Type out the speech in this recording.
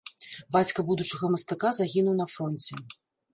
Бацька будучага мастака загінуў на фронце.